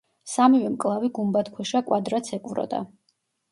სამივე მკლავი გუმბათქვეშა კვადრატს ეკვროდა.